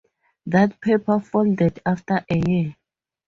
That paper folded after a year.